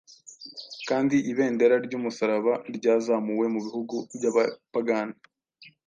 kandi ibendera ry’umusaraba ryazamuwe mu bihugu by’abapagani.